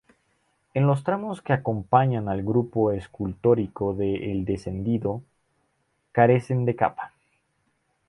En los tramos que acompañan al Grupo Escultórico de El Descendido, carecen de capa.